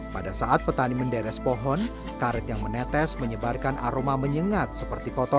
pada saat petani menderes pohon karet yang menetes menyebarkan aroma menyengat seperti kotor